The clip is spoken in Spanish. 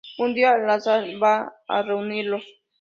Un día, el azar va a reunirlos.